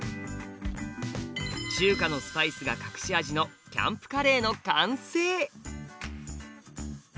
中華のスパイスが隠し味の「キャンプカレー」の完成。